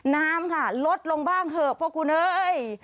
น้ำค่ะลดลงบ้างเถอะพวกคุณเอ้ย